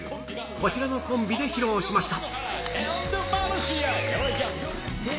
こちらのコンビで披露しました。